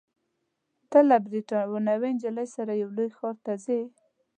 ته له بریتانوۍ نجلۍ سره یو لوی ښار ته ځې.